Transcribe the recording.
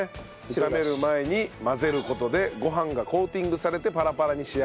炒める前に混ぜる事でご飯がコーティングされてパラパラに仕上がると。